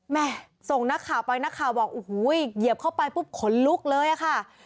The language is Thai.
แม่ส่งนักข่าวไปนักข่าวบอกโอ้โหเหยียบเข้าไปปุ๊บขนลุกเลยอะค่ะ